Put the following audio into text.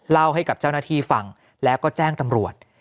เล่าให้กับเจ้าหน้าที่ฟังแล้วก็แจ้งตำรวจ